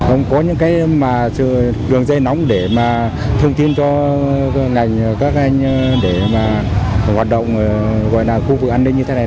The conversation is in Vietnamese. ông có những đường dây nóng để thông tin cho các anh để hoạt động khu vực an ninh như thế này